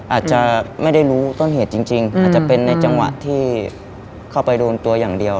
อาจจะไม่ได้รู้ต้นเหตุจริงอาจจะเป็นในจังหวะที่เข้าไปโดนตัวอย่างเดียว